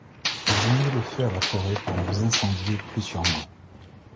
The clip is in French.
Ils ont mis le feu à la forêt pour nous incendier plus sûrement!